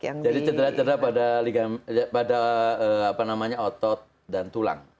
jadi cedera pada otot dan tulang